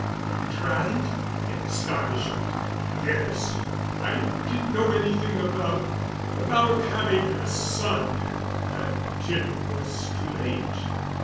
"You tried?" in astonishment. "Yes, I didn't know anything about—about having a son—until it was too late.